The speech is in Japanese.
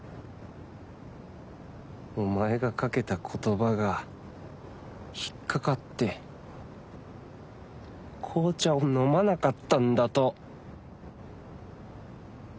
お前が掛けた言葉が引っ掛かって紅茶を飲まなかったんだと。